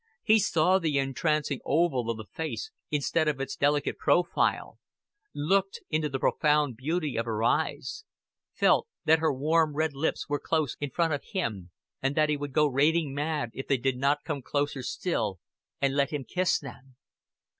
He saw the entrancing oval of the face instead of its delicate profile, looked into the profound beauty of her eyes, felt that her warm red lips were close in front of him, and that he would go raving mad if they did not come closer still and let him kiss them.